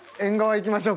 行きましょう。